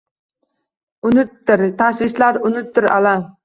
Unutdir tashvishlar, unutdir alam.